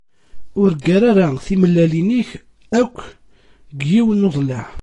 Ur ggar ara timellalin-ik akk deg yiwen n uḍellaε.